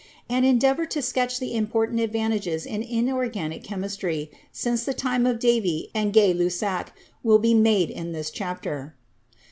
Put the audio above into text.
An endeavor to sketch the important advances in inorganic chemistry since the time of Davy and Gay Lussac will be made in this chapter.